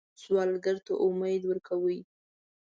سوالګر ته امید ورکوئ